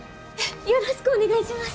よろしくお願いします！